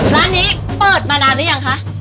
ร้านนี้เปิดมานานหรือยังคะ